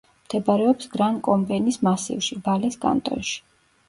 მდებარეობს გრან-კომბენის მასივში, ვალეს კანტონში.